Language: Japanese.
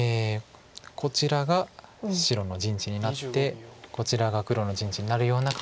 こちらが白の陣地になってこちらが黒の陣地になるような可能性も。